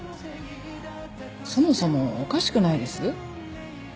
そもそもおかしくないです？